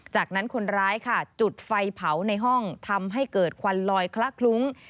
จากนั้นคนร้ายค่ะจุดไฟเผาในห้องทำให้เกิดควันลอยคละคลุ้ง